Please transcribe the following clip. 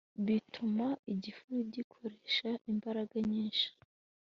bituma igifu gikoresha imbaraga nyinshi